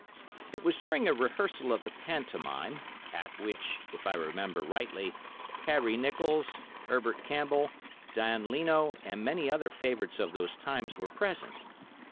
It was during a rehearsal of the pantomime, at which, if I remember rightly, Harry Nicholls, Herbert Campbell, Dan Leno, and many other favourites of those times were present.